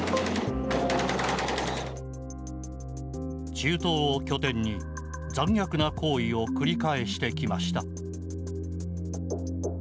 中東を拠点に残虐な行為を繰り返してきました。